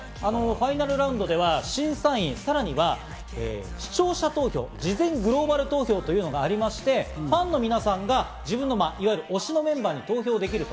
ファイナルラウンドは審査員、さらには視聴者投票、事前グローバル投票というのがありまして、ファンの皆さんがいわゆる推しのメンバーに投票できる。